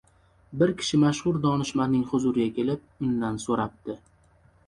Bir kishi mashhur donishmandning huzuriga kelib, undan soʻrabdi: